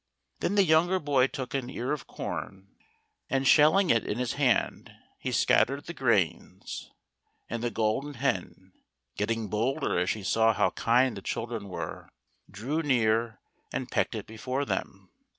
Then the younger boy took an ear of corn, and shelling it in his hand, he scattered the grains, and the Golden Hen, getting bolder as she saw how kind the children were, drew near and pecked it before them.